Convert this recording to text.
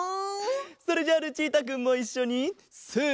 それじゃあルチータくんもいっしょにせの。